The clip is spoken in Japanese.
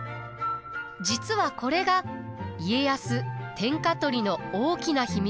実はこれが家康天下取りの大きな秘密です。